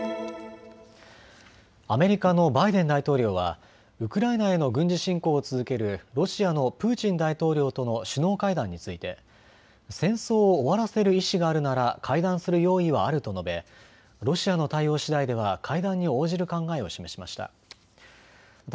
アメリカのバイデン大統領はウクライナへの軍事侵攻を続けるロシアのプーチン大統領との首脳会談について戦争を終わらせる意思があるなら会談する用意はあると述べ、ロシアの対応しだいでは会談に応じる考えを示しました。